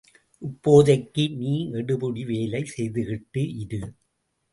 இப்போதைக்கு நீ எடுபிடி வேலை செய்துக்கிட்டு இரு.